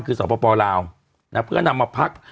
คือสปลาวเพื่อนำมาพัก